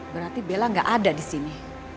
berarti bella gak ada disini